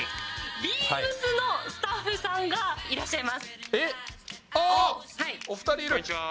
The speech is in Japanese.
ビームスのスタッフさんがいあっ、２人いる。